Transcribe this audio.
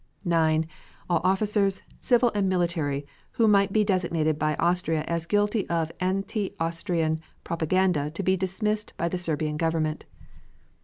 9. All officers, civil and military, who might be designated by Austria as guilty of anti Austrian propaganda to be dismissed by the Serbian Government.